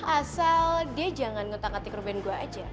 asal dia jangan ngetang ngetik ruben gue aja